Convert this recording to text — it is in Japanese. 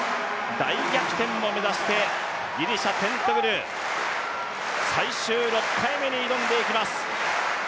大逆転を目指して、ギリシャ、テントグル、最終６回目に挑んでいきます。